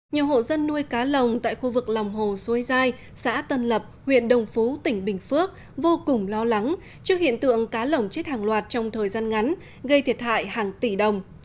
nhiều hộ dân nuôi cá lồng tại khu vực lòng hồ xuôi giai xã tân lập huyện đồng phú tỉnh bình phước vô cùng lo lắng trước hiện tượng cá lồng chết hàng loạt trong thời gian ngắn gây thiệt hại hàng tỷ đồng